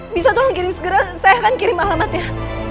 bisa tolong kirim segera saya akan kirim alamatnya